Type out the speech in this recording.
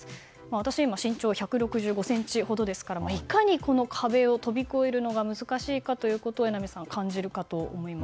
私は身長１６５ｃｍほどですからいかにこの壁を跳び越えるのが難しいか榎並さん、感じるかと思います。